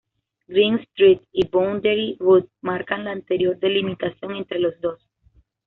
Green Street y Boundary Road marcan la anterior delimitación entre los dos.